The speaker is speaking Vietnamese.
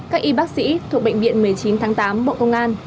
các y bác sĩ thuộc bệnh viện một mươi chín tháng tám bộ công an